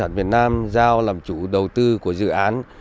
công sản việt nam giao làm chủ đầu tư của dự án